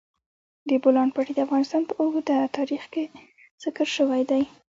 د بولان پټي د افغانستان په اوږده تاریخ کې ذکر شوی دی.